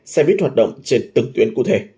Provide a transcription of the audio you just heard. xe buýt hoạt động trên từng tuyến cụ thể